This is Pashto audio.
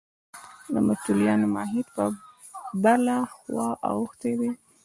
د متولیانو ماهیت پر بله خوا اوښتی دی.